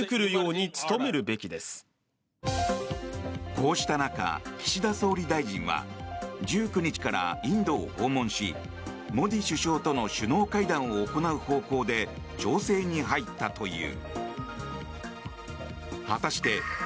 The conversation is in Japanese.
こうした中、岸田総理大臣は１９日からインドを訪問しモディ首相との首脳会談を行う方向で調整に入ったという。